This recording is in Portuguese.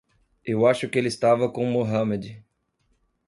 Eu acho que ele estava com Mohamed.